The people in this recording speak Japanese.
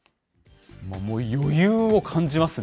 もう、余裕を感じますね。